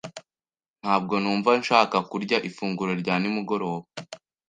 Ntabwo numva nshaka kurya ifunguro rya nimugoroba.